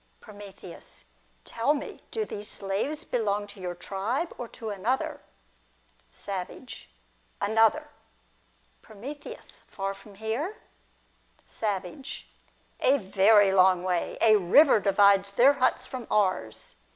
Prom. Tell me, do these slaves belong to your tribe or to another ? Savage. Another. From. Far from here ? Savage. A very long way. A river divides their huts from ours.